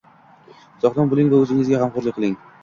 Sog'lom bo'ling va o'zingizga g'amxo'rlik qiling!